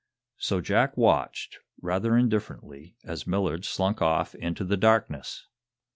So Jack watched, rather indifferently, as Millard slunk off into the darkness.